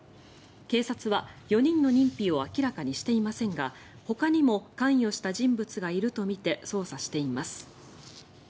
警察は４人の認否を明らかにしていませんがほかにも関与した人物がいるとみて捜査しています。